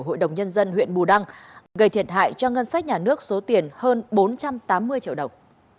hội đồng nhân dân huyện bù đăng gây thiệt hại cho ngân sách nhà nước số tiền hơn bốn trăm tám mươi triệu đồng